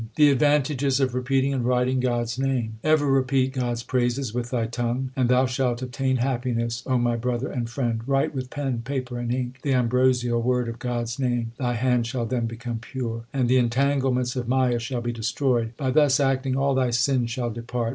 The advantages of repeating and writing God s name : Ever repeat God s praises with thy tongue, And thou shalt obtain happiness, O my brother and friend. Write with pen, paper, and ink The ambrosial word of God s name. Thy hand shall then become pure, 142 THE SIKH RELIGION And the entanglements of Maya shall be destroyed. By thus acting all thy sins shall depart.